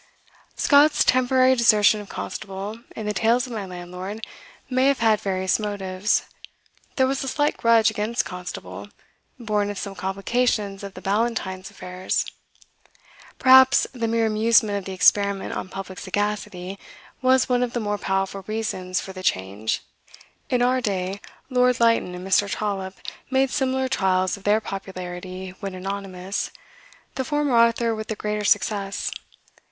Scott's temporary desertion of Constable in the "Tales of my Landlord" may have had various motives. There was a slight grudge against Constable, born of some complications of the Ballantynes' affairs. Perhaps the mere amusement of the experiment on public sagacity was one of the more powerful reasons for the change. In our day Lord Lytton and Mr. Trollope made similar trials of their popularity when anonymous, the former author with the greater success.